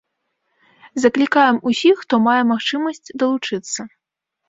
Заклікаем усіх, хто мае магчымасць, далучыцца.